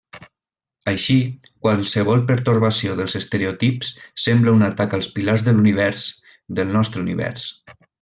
Així, qualsevol pertorbació dels estereotips sembla un atac als pilars de l'univers, del nostre univers.